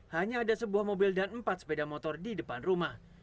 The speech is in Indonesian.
hanya ada sebuah mobil dan empat sepeda motor di depan rumah